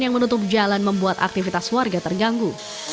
yang menutup jalan membuat aktivitas warga terganggu